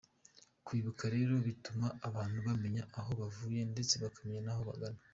Kwibuka rero bituma abantu bamenya aho bavuye ndetse bakamenya n’aho bagana.